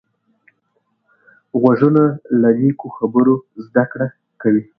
غوږونه له نیکو خبرو زده کړه کوي